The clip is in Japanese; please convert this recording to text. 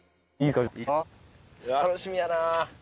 うわ楽しみやな。